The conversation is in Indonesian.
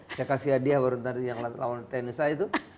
saya kasih hadiah baru nanti yang lawan tni saya itu